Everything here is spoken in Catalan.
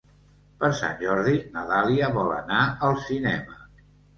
Per Sant Jordi na Dàlia vol anar al cinema.